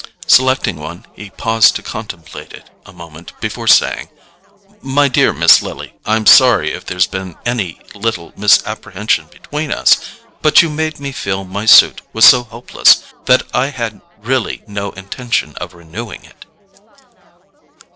Selecting one, he paused to contemplate it a moment before saying: "My dear Miss Lily, I'm sorry if there's been any little misapprehension between us—but you made me feel my suit was so hopeless that I had really no intention of renewing it."